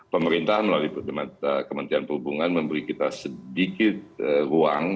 pemerintah melalui kementerian perhubungan memberi kita sedikit ruang